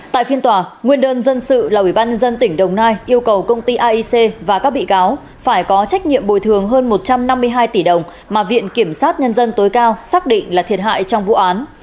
tại phiên tòa nguyên đơn dân sự là ủy ban nhân dân tỉnh đồng nai yêu cầu công ty aic và các bị cáo phải có trách nhiệm bồi thường hơn một trăm năm mươi hai tỷ đồng mà viện kiểm sát nhân dân tối cao xác định là thiệt hại trong vụ án